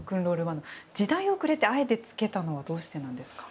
「時代遅れ」ってあえてつけたのはどうしてなんですか。